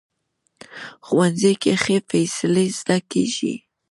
ښوونځی کې ښې فیصلې زده کېږي